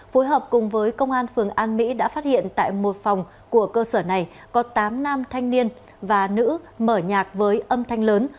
phối hợp cùng với công an phường an mỹ đã phát hiện tại một phòng của cơ sở này có tám nam thanh niên và nữ mở nhạc với âm thanh lớn